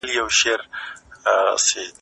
هیڅوک باید هویت په درواغو ونه کاروي.